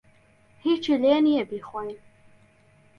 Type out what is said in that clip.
ھیچی لێ نییە بیخۆین.